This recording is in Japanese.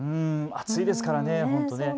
暑いですからね。